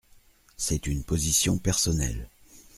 C’est une position personnelle.